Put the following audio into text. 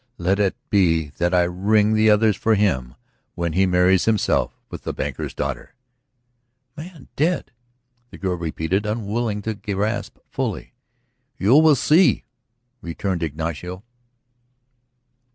let it be that I ring the others for him when he marries himself with the banker's daughter." "A man dead?" the girl repeated, unwilling to grasp fully. "You will see," returned Ignacio.